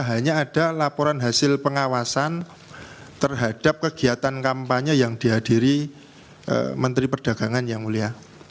hanya ada laporan hasil pengawasan terhadap kegiatan kampanye yang dihadiri menteri perdagangan yang mulia